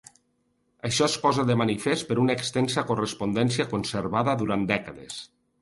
Això es posa de manifest per una extensa correspondència conservada durant dècades.